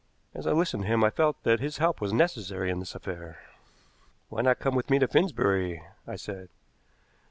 As I listened to him I felt that his help was necessary in this affair. "Why not come with me to Finsbury?" I said.